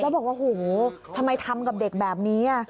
แล้วบอกว่าโหทำไมทำกับเด็กแบบนี้